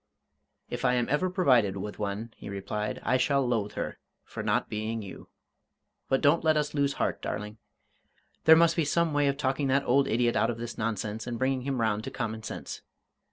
"If I am ever provided with one," he replied, "I shall loathe her for not being you. But don't let us lose heart, darling. There must be some way of talking that old idiot out of this nonsense and bringing him round to common sense.